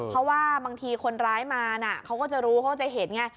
เพราะว่าบางทีคนร้ายมานะเขาก็จะรู้เขาก็จะเห็นไง